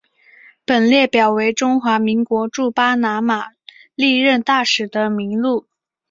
本列表为中华民国驻巴拿马历任大使的名录。